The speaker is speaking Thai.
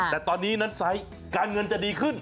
แต่ตอนนี้นั้นไซส์การเงินจะดีขึ้น